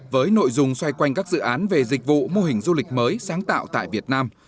với nội dung xoay quanh các dự án về dịch vụ mô hình du lịch mới sáng tạo tại việt nam